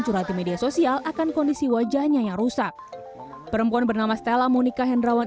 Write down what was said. curhatimedia sosial akan kondisi wajahnya yang rusak perempuan bernama stella monika hendrawan